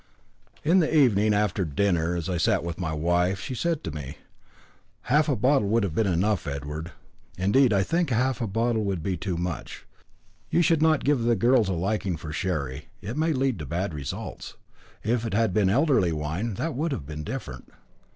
In the evening, after dinner, as I sat with my wife, she said to me: "Half a bottle would have been enough, Edward. Indeed, I think half a bottle would be too much; you should not give the girls a liking for sherry, it may lead to bad results. If it had been elderberry wine, that would have been different."